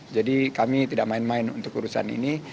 jadi kami tidak main main untuk urusan ini